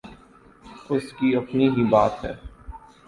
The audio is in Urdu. اس کی اپنی ہی بات ہے۔